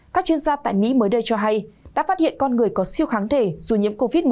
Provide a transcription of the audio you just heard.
các chuyên gia tại mỹ mới đây cho hay đã phát hiện con người có siêu kháng thể rồi nhiễm covid một mươi chín